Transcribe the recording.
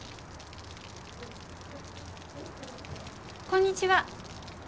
こんにちは。